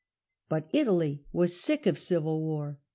But Italy was sick of civil war.